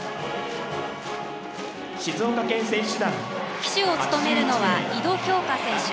旗手を務めるのは井戸杏香選手。